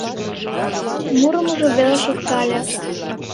Мурымыжо веле шоктале.